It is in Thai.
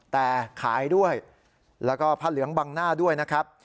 แต่ขายด้วยแล้วก็ผ้าเหลืองบังหน้าด้วยนะครับ